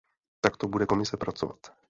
Takto bude Komise pracovat.